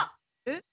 えっ？